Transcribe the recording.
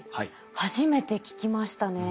初めて聞きましたね。